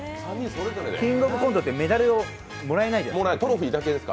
「キングオブコント」ってメダルをもらえないじゃないですか。